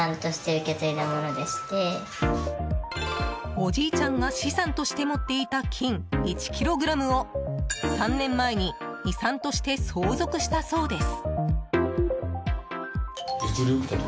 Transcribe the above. おじいちゃんが資産として持っていた金１ｋｇを３年前に遺産として相続したそうです。